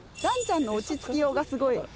ランちゃんの落ち着きようがすごい。